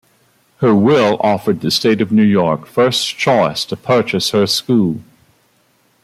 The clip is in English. Her will offered the State of New York first choice to purchase her school.